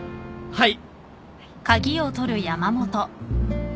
はい。